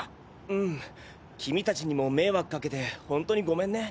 うん君たちにも迷惑かけてホントにゴメンね。